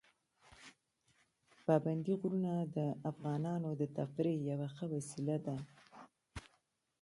پابندي غرونه د افغانانو د تفریح یوه ښه وسیله ده.